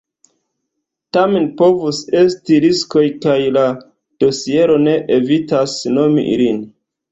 Tamen, povus esti riskoj, kaj la dosiero ne evitas nomi ilin.